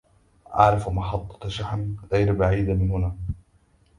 أعرف محطّة شحن غير بعيدة من هنا.